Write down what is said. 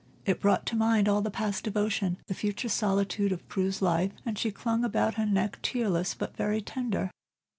It brought to mind all the past devotion, the future solitude of Prue's life, and she clung about her neck tearless but very tender.